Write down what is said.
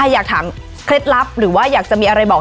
อยากถามเคล็ดลับหรือว่าอยากจะมีอะไรบอก